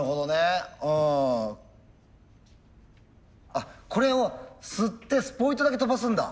あこれを吸ってスポイトだけ飛ばすんだ。